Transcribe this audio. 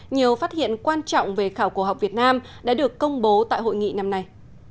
nhiều phát hiện quan trọng về khảo cổ học việt nam đã được công bố tại hội nghị năm nay